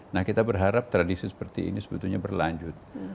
nah kita berharap tradisi seperti ini sebetulnya berlanjut